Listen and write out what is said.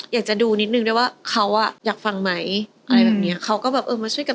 อยากจะดูนิดนึงด้วยว่าเขาอ่ะอยากฟังไหมอะไรแบบเนี้ยเขาก็แบบเออมาช่วยกัน